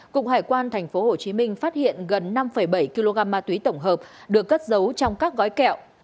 cục hải quan thành phố hồ chí minh phát hiện gần năm bảy kg ma túy tổng hợp được cất dấu trong các gói kẹo